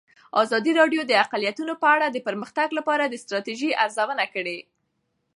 ازادي راډیو د اقلیتونه په اړه د پرمختګ لپاره د ستراتیژۍ ارزونه کړې.